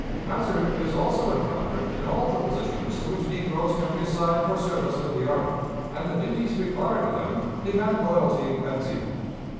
Hazard is also encountered in all the positions to which negroes can be assigned for service with the army, and the duties required of them demand loyalty and zeal.